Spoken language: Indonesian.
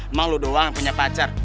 emang lu doang punya pacar